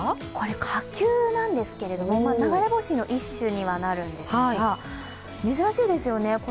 火球なんですけれども、流れ星の一種にはなるんですが、珍しいですよね。